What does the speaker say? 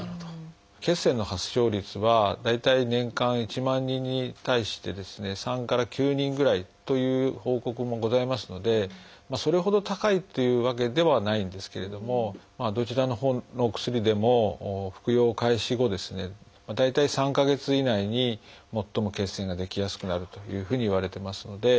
血栓の発症率は大体年間１万人に対してですね３から９人ぐらいという報告もございますのでそれほど高いというわけではないんですけれどもどちらのほうのお薬でも服用開始後大体３か月以内に最も血栓が出来やすくなるというふうにいわれてますので。